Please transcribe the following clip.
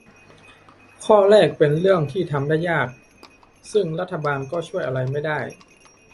ข้อแรกเป็นเรื่องที่ทำได้ยาก ซึ่งรัฐบาลก็ช่วยอะไรไม่ได้